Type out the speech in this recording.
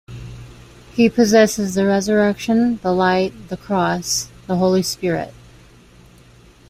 He possesses the Resurrection, the Light, the Cross, the Holy Spirit.